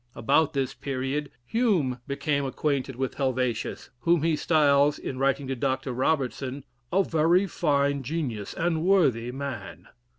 About this period Hume became acquainted with Helvetius, whom he styles, in writing to Dr. Robertson, "a very fine genius and worthy man."